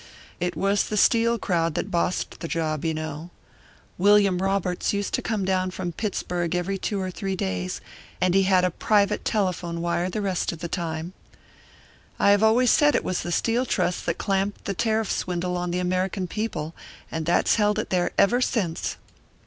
It was the Steel crowd that bossed the job, you know William Roberts used to come down from Pittsburg every two or three days, and he had a private telephone wire the rest of the time. I have always said it was the Steel Trust that clamped the tariff swindle on the American people, and that's held it there ever since."